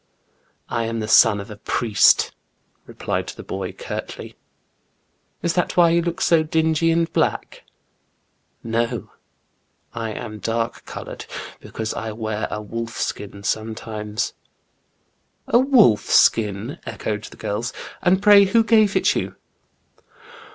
" I am the son of a priest," replied the boy curtly. " Is that why you look so dingy and black ?"" No, I am dark coloured, because I wear a wolf skin sometimes." "A wolf skin! " echoed the girl; "and pray who gave it you